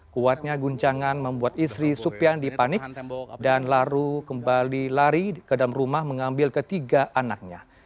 kuatnya guncangan membuat istri supiandi panik dan laru kembali lari ke dalam rumah mengambil ketiga anaknya